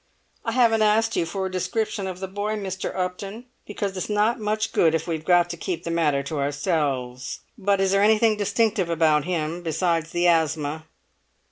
"I haven't asked you for a description of the boy, Mr. Upton, because it's not much good if we've got to keep the matter to ourselves. But is there anything distinctive about him besides the asthma?"